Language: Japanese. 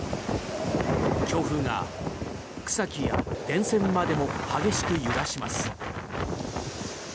強風が草木や電線までも激しく揺らします。